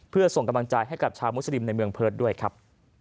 เพื่อส่งกำลังใจให้กับชาวมุสลิมในเมืองเพิร์ตด้วยครับ